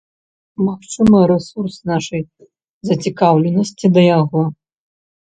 Магчыма, рэсурс нашай зацікаўленасці да яго.